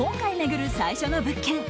今回巡る最初の物件。